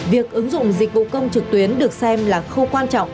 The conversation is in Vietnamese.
việc ứng dụng dịch vụ công trực tuyến được xem là khâu quan trọng